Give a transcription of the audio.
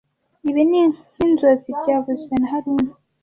Ibi ni nkinzozi byavuzwe na haruna